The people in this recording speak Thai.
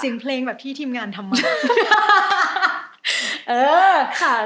เพลงแบบที่ทีมงานทำมา